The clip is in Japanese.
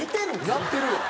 やってるわ。